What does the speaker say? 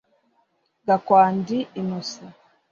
Gakwandi Innocent